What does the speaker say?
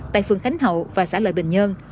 tại phương khánh hậu và xã lợi bình nhơn